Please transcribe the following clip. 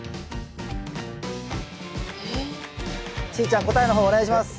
しーちゃん答えの方お願いします。